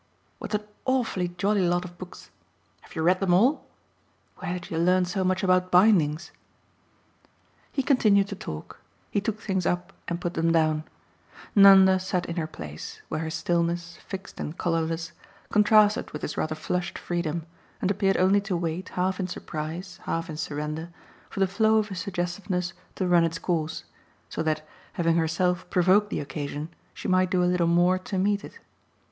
What an awfully jolly lot of books have you read them all? Where did you learn so much about bindings?" He continued to talk; he took things up and put them down; Nanda sat in her place, where her stillness, fixed and colourless, contrasted with his rather flushed freedom, and appeared only to wait, half in surprise, half in surrender, for the flow of his suggestiveness to run its course, so that, having herself provoked the occasion, she might do a little more to meet it.